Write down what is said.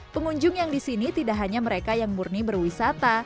pengunjung yang di sini tidak hanya mereka yang murni berwisata